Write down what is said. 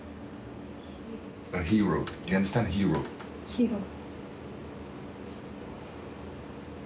ヒーロー。